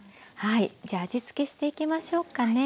じゃあ味付けしていきましょうかね。